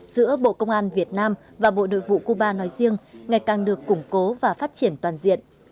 giữa bộ công an việt nam và bộ nội vụ cuba nói riêng ngày càng được củng cố và phát triển toàn diện